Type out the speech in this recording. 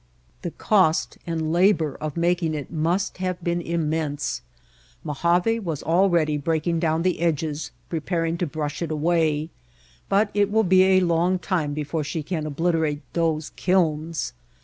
The cost and labor of making it must have been immense. Mojave was already breaking down the edges preparing to brush it away, but it will be a long time before she can obliterate those kilns.